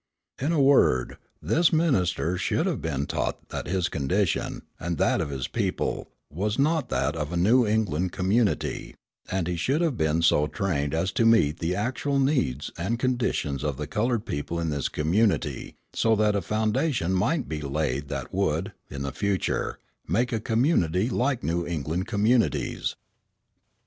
In a word, this minister should have been taught that his condition, and that of his people, was not that of a New England community; and he should have been so trained as to meet the actual needs and conditions of the coloured people in this community, so that a foundation might be laid that would, in the future, make a community like New England communities.